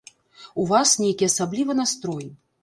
У вас нейкі асаблівы настрой.